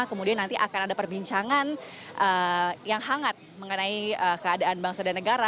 kemudian nanti akan ada perbincangan yang hangat mengenai keadaan bangsa dan negara